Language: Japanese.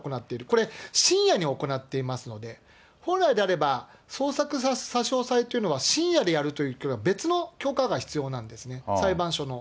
これ、深夜に行っていますので、本来であれば、捜索、差し押さえというのは、深夜でやるというのは別の許可が必要なんですね、裁判所の。